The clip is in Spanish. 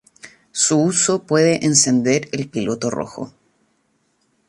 su uso puede encender el piloto rojo